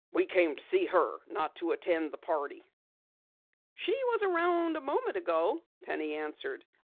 "We came to see her, not to attend the party." "She was around a moment ago," Penny answered.